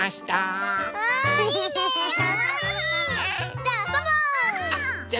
じゃああそぼう！